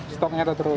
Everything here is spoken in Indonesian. stoknya ada terus